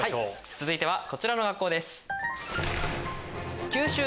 続いてはこちらの学校です。